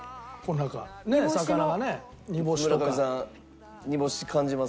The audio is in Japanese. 村上さん煮干し感じますか？